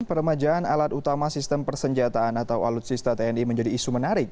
peremajaan alat utama sistem persenjataan atau alutsista tni menjadi isu menarik